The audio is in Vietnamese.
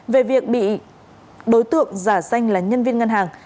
về việc bị đối tượng giả danh là nhân viên ngân hàng